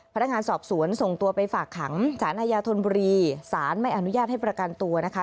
พนักงานสอบสวนส่งตัวไปฝากขังสารอาญาธนบุรีสารไม่อนุญาตให้ประกันตัวนะคะ